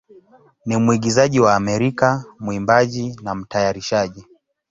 ni mwigizaji wa Amerika, mwimbaji, na mtayarishaji.